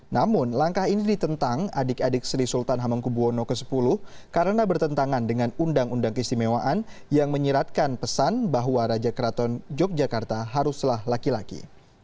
namun langkah ini ditentang adik adik sri sultan hamengkubwono x karena bertentangan dengan undang undang keistimewaan yang menyiratkan pesan bahwa raja keraton yogyakarta haruslah laki laki